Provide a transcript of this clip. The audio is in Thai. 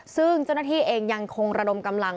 ซึ่งเจ้าหน้าที่เองยังคงระดมกำลัง